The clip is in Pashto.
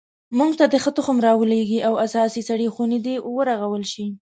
موږ ته دې ښه تخم را ولیږي او اساسي سړې خونې دې ورغول شي